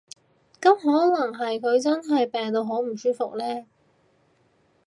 噉可能佢真係病到好唔舒服呢